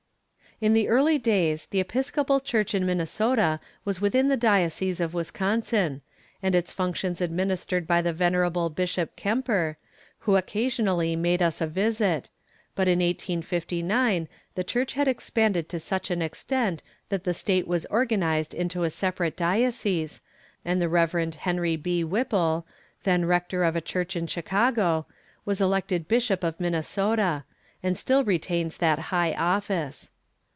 In the early days the Episcopal Church in Minnesota was within the diocese of Wisconsin, and its functions administered by the venerable Bishop Kemper, who occasionally made us a visit, but in 1859 the church had expanded to such an extent that the state was organized into a separate diocese, and the Rev. Henry B. Whipple, then rector of a church in Chicago, was elected bishop of Minnesota, and still retains that high office.